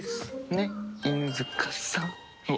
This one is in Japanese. ねっ犬塚さん。